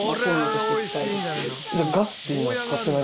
じゃあガスっていうのは使ってない？